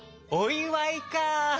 おいわいか。